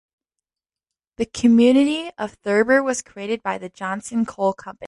The community of Thurber was created by the Johnson Coal Company.